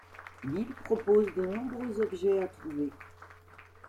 L'île propose de nombreux objets à trouver.